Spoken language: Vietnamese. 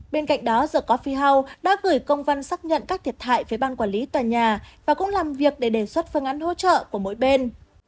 bên cạnh đó the coffee house đã gửi công văn xác nhận các thiệt thại với ban quản lý tòa nhà và cũng làm việc để đề xuất phương án hỗ trợ của mỗi bên